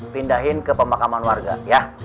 pindahin ke pemakaman warga ya